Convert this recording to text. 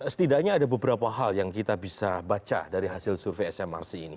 setidaknya ada beberapa hal yang kita bisa baca dari hasil survei smrc ini